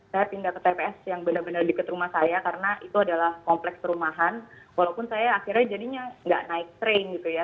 saya pindah ke tps yang benar benar dekat rumah saya karena itu adalah kompleks perumahan walaupun saya akhirnya jadinya nggak naik train gitu ya